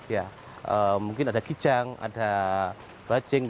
ya mungkin ada gijang ada bajing dan lain lainnya